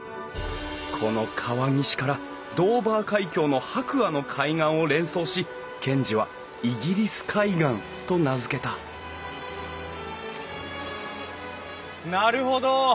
この川岸からドーバー海峡の白亜の海岸を連想し賢治はイギリス海岸と名付けたなるほど。